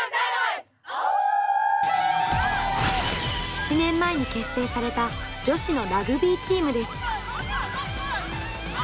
７年前に結成された女子のラグビーチームです。